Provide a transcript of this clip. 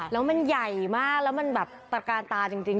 แล้วมันใหญ่มากแล้วประการตาจริง